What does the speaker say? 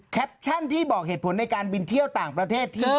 แคปชั่นที่บอกเหตุผลในการบินเที่ยวต่างประเทศที่